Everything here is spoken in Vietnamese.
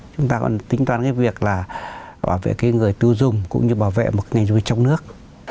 chúng ta còn tính toán cái việc là bảo vệ cái người tiêu dùng cũng như bảo vệ một ngành du lịch trong nước